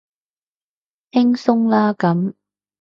輕鬆啦咁